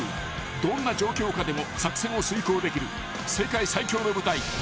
どんな状況下でも作戦を遂行できる世界最強の部隊］